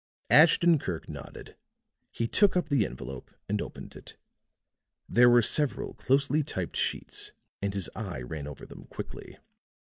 Ashton Kirk nodded. He took up the envelope and opened it. There were several closely typed sheets and his eye ran over them quickly.